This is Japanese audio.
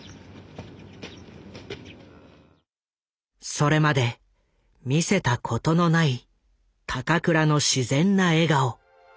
それまで見せたことのない高倉の自然な笑顔。